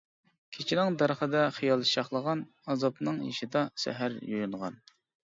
كېچىنىڭ دەرىخىدە خىيال شاخلىغان، ئازابنىڭ يېشىدا سەھەر يۇيۇنغان.